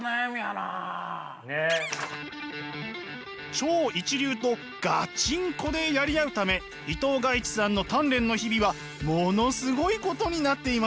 超一流とガチンコでやり合うため伊藤賀一さんの鍛錬の日々はものすごいことになっています。